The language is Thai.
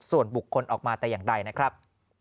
ส่วนบุคคลออกมาแต่อย่างใดนะครับ